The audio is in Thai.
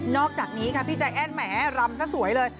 อกจากนี้ค่ะพี่ใจแอ้นแหมรำซะสวยเลย